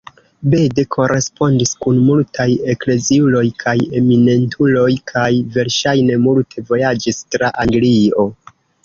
Bede korespondis kun multaj ekleziuloj kaj eminentuloj, kaj verŝajne multe vojaĝis tra Anglio.